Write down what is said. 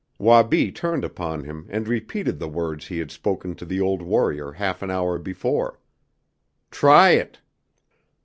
Wabi turned upon him and repeated the words he had spoken to the old warrior half an hour before. "Try it!"